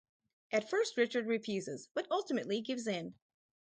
At first Richard refuses but ultimately gives in.